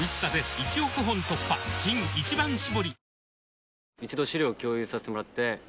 新「一番搾り」